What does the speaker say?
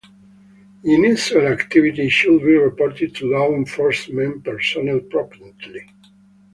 Unusual activity should be reported to law enforcement personnel promptly.